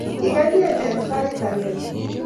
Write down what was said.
Kiganyech eng sait agenge